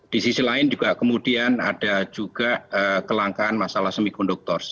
di sisi lain juga kemudian ada juga kelangkaan masalah semikonduktor